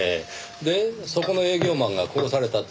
でそこの営業マンが殺されたと？